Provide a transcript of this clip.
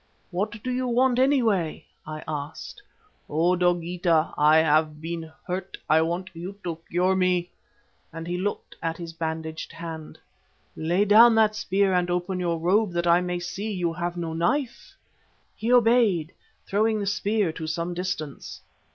"'What do you want, anyway?' I asked. "'O! Dogeetah, I have been hurt, I want you to cure me,' and he looked at his bandaged hand. "'Lay down that spear and open your robe that I may see you have no knife.' "He obeyed, throwing the spear to some distance.